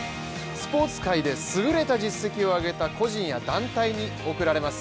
スポーツ界で優れた実績を上げた個人や団体に贈られます